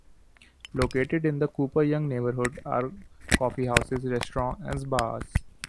Located in the Cooper-Young neighborhood are coffeehouses, restaurants, and bars.